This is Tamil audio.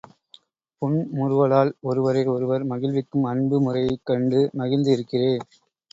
புன்முறுவலால் ஒருவரை ஒருவர் மகிழ்விக்கும் அன்பு முறையைக் கண்டு மகிழ்ந்து இருக்கிறேன்.